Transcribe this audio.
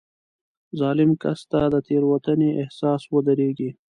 ظالم کس ته د تېروتنې احساس ودرېږي.